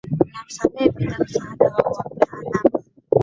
na msamaha Bila msaada wao wa mtaalam